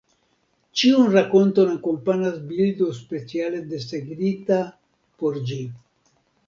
Ĉiun rakonton akompanas bildo speciale desegnita por ĝi.